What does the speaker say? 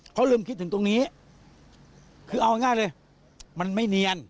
เขารู้มีตรงนี้คือเอาง่ายเลยมันไม่เนียน